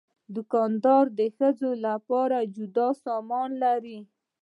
دوکاندار د ښځو لپاره جدا سامان لري.